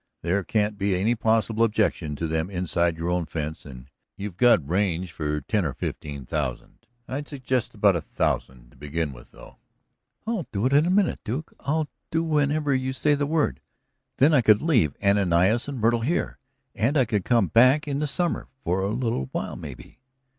There can't be any possible objection to them inside your own fence, and you've got range for ten or fifteen thousand. I'd suggest about a thousand to begin with, though." "I'd do it in a minute, Duke I'll do it whenever you say the word. Then I could leave Ananias and Myrtle here, and I could come back in the summer for a little while, maybe."